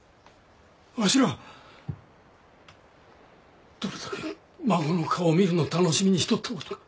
わしらどれだけ孫の顔を見るの楽しみにしとったことか。